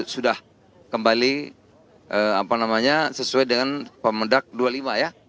sudah kembali sesuai dengan pemedak dua puluh lima ya